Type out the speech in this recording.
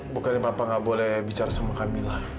bukannya papa nggak boleh bicara sama kamila